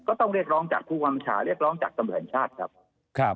ก็ต้องเรียกร้องจากผู้ความประชาเรียกร้องจากสมัยแห่งชาติครับ